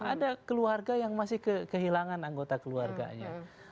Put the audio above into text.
ada keluarga yang masih kehilangan anggota keluarganya